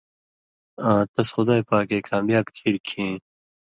آں تس خدائ پاکے کامیاب کیریۡ کھیں